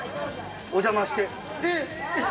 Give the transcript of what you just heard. お邪魔してえっ！